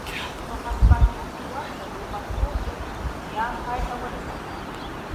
په هسپانیا کې ورته لوبه کورتس پر زیان پای ته ورسېده.